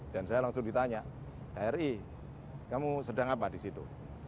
dan saya langsung ditanya r i kamu sedang apa di situ